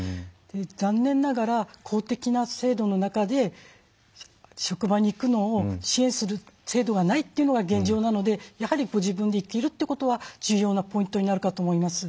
残念ながら公的な制度の中で職場に行くのを支援する制度がないというのが現状なのでやはりご自分で行けるっていうことは重要なポイントになるかと思います。